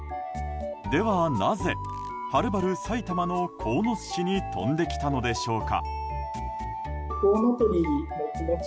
ではなぜはるばる埼玉の鴻巣市に飛んできたのでしょうか。